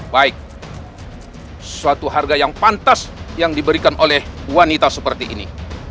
baik suatu harga yang pantas yang diberikan oleh wanita seperti ini